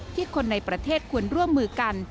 คนในประเทศควรร่วมมือกัน